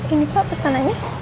ini pak pesanannya